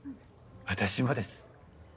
私もです。